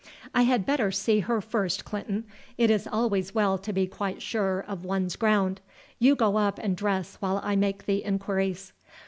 "I had better see her first, Clinton; it is always well to be quite sure of one's ground. You go up and dress while I make the inquiries."